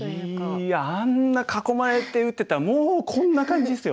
いやあんな囲まれて打ってたらもうこんな感じですよ。